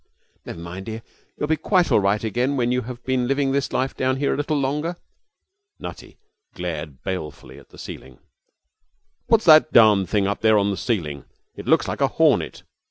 'Never mind, dear, you'll be quite all right again when you have been living this life down here a little longer.' Nutty glared balefully at the ceiling. 'What's that darned thing up there on the ceiling? It looks like a hornet.